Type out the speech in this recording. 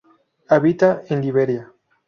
Habita en Liberia.